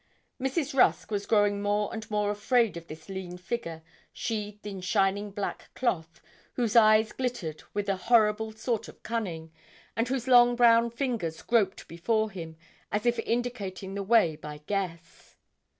Mrs. Rusk was growing more and more afraid of this lean figure sheathed in shining black cloth, whose eyes glittered with a horrible sort of cunning, and whose long brown fingers groped before him, as if indicating the way by guess.